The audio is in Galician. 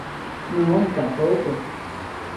Non, tampouco.